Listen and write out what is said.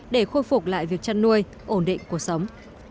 để khôi phục lại việc chăn nuôi ổn định cuộc sống